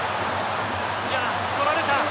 取られた。